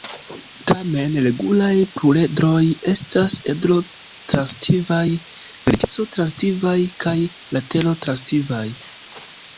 Tamen, regulaj pluredroj estas edro-transitivaj, vertico-transitivaj kaj latero-transitivaj.